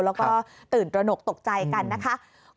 แล้วก็ตื่นตระหนกตกใจกันนะคะ